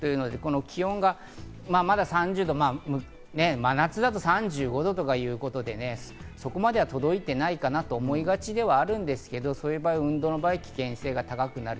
気温がまだ真夏だと３５度とかいうことで、そこまでは届いていないかなと思いがちではあるんですけど、運動の場合、危険性が高くなる。